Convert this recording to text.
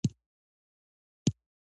وژنه د زړونو د ژړا داستان دی